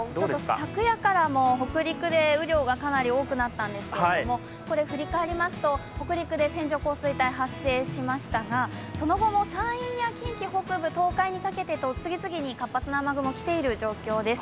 昨夜からも北陸で雨量がかなり多くなったんですけれどもこれ振り返りますと、北陸で線状降水帯発生しましたがその後も山陰や近畿北部、東海にかけて次々に活発な雨雲来ている状況です。